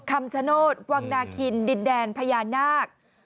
คำชโนธวังนาคินดินแดนพญานาค